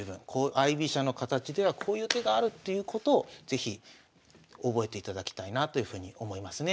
相居飛車の形ではこういう手があるっていうことを是非覚えていただきたいなというふうに思いますね。